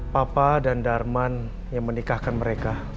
papa dan darman yang menikahkan mereka